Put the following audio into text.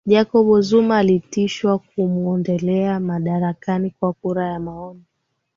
jacob zuma alitishwa kumwondolewa madarakani kwa kura ya maoni